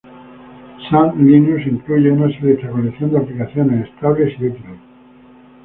Sam Linux incluye una selecta colección de aplicaciones estables y útiles.